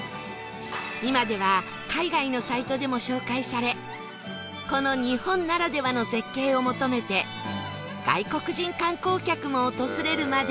今では海外のサイトでも紹介されこの日本ならではの絶景を求めて外国人観光客も訪れるまでに